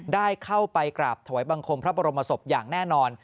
ได้เข้าไปกราบถวายบังคมพระบรมศพอย่างแน่นอน